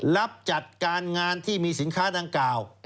รับจัดการงานที่มีสินค้าดังกล่าว